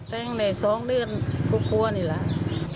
แต่งในสองเดือนทุกครั้วนี่แหละ